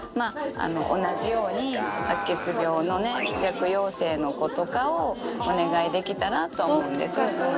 同じように白血病のね、弱陽性の子とかを、お願いできたらと思うんです。